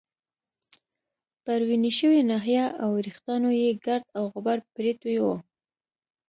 پر وینې شوې ناحیه او وریښتانو يې ګرد او غبار پرېوتی وو.